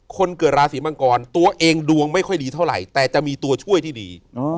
คนเกิดราศีมังกรตัวเองดวงไม่ค่อยดีเท่าไหร่แต่จะมีตัวช่วยที่ดี